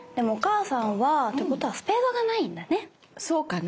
そうかな？